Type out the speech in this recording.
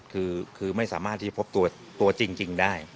คือไม่สามารถที่พบตัวจริงได้